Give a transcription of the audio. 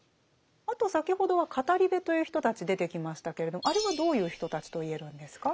あと先ほどは語部という人たち出てきましたけれどあれはどういう人たちと言えるんですか？